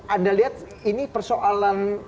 anda lihat ini persoalan